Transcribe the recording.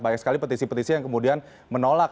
banyak sekali petisi petisi yang kemudian menolak